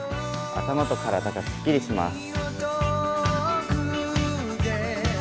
頭と体がすっきりします。